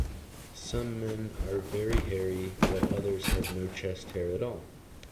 Some men are very hairy, while others have no chest hair at all.